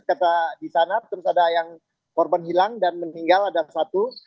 kata di sana terus ada yang korban hilang dan meninggal ada satu